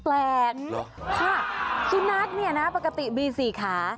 แปลกค่ะสุนัขเนี่ยนะปกติมี๔ขา